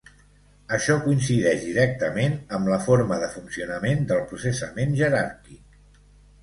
Això coincideix directament amb la forma de funcionament del processament jeràrquic.